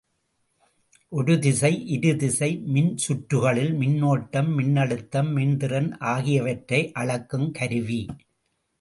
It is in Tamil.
ஒரு திசை, இரு திசை மின்சுற்றுகளில் மின்னோட்டம், மின்னழுத்தம், மின்திறன் ஆகியவற்றை அளக்குங் கருவி.